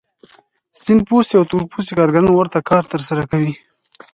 سپین پوستي او تور پوستي کارګران ورته کار ترسره کوي